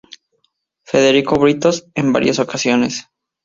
Federico Britos en varias ocasiones.